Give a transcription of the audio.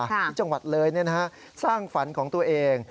ที่จังหวัดเลยสร้างฝันของตัวเอง